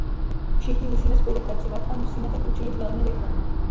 Všichni musíme spolupracovat, a musíme tak učinit velmi rychle.